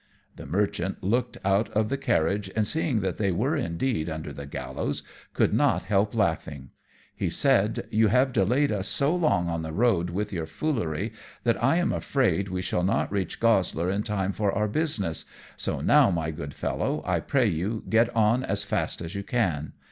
The Merchant looked out of the carriage, and seeing that they were indeed under the gallows, could not help laughing. He said, "You have delayed us so long on the road with your foolery that I am afraid we shall not reach Goslar in time for our business, so now, my good Fellow, I pray you get on as fast as you can.